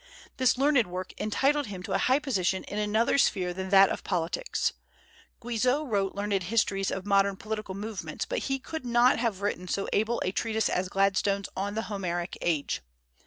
This learned work entitled him to a high position in another sphere than that of politics. Guizot wrote learned histories of modern political movements, but he could not have written so able a treatise as Gladstone's on the Homeric age.